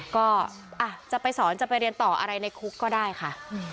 ก็จะไปสอนจะไปเรียนต่ออะไรในคุกก็ได้ค่ะ